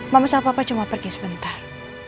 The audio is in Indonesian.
mama sama papa cuma pergi sebentar